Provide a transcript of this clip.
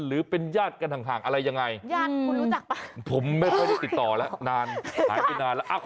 หรือเป็นญาติกันทั้งอะไรยังไงผมไม่ค่อยได้ติดต่อแล้วหายไปนานแล้ว